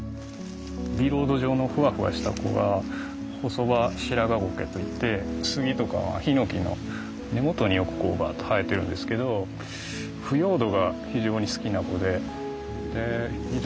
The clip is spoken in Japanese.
ビロード状のふわふわした子がホソバシラガゴケといって杉とかヒノキの根元によくバッと生えてるんですけど腐葉土が非常に好きな子で非常に乾燥に強い。